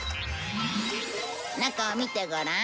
中を見てごらん。